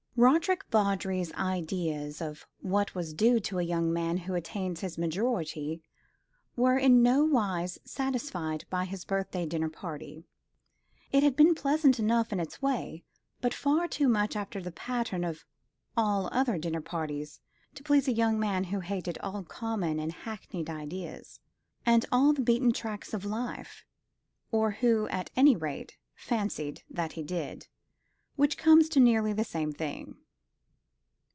Roderick Vawdrey's ideas of what was due to a young man who attains his majority were in no wise satisfied by his birthday dinner party. It had been pleasant enough in its way, but far too much after the pattern of all other dinner parties to please a young man who hated all common and hackneyed things, and all the beaten tracks of life or who, at any rate, fancied he did, which comes to nearly the same thing.